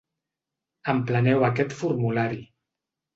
Empleneu aquest formulari.